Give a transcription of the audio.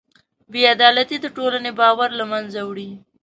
بېعدالتي د ټولنې باور له منځه وړي.